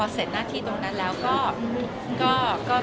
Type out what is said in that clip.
เสร็จหน้าที่ตรงนั้นแล้วก็